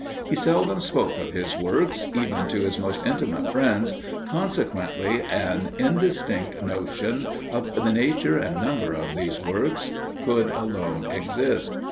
He seldom spoke of his works, even to his most intimate friends, consequently an indistinct notion of the nature and number of these works could alone exist.